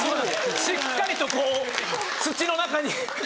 しっかりとこう土の中に。